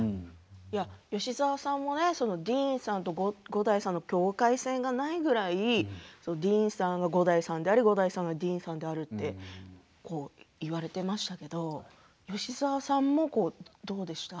吉沢さんもディーンさんと五代さんの境界線がないぐらいディーンさんが五代さんであり五代さんがディーンさんであると言われていましたけれども吉沢さんもどうでしたか？